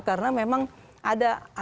karena memang ada